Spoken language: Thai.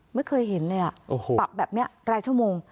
ไม่เคยเห็นเลยปักแบบนี้รายชั่วโมง